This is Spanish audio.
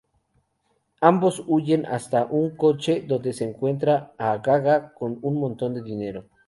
Ambos huyen hasta un coche, donde encuentran a Gaga con un montón de dinero.